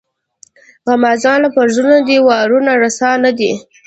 د غمازانو پر زړونو دي وارونه رسا نه دي.